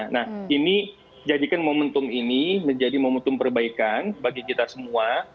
nah ini jadikan momentum ini menjadi momentum perbaikan bagi kita semua